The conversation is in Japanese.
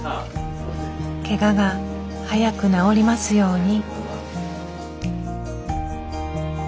ケガが早く治りますように。